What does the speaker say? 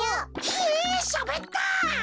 ひえしゃべった！